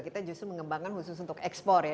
kita justru mengembangkan khusus untuk ekspor ya